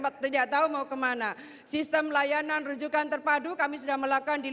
waktunya tahu mau kemana sistem layanan rujukan terpadu kami sudah melakukan di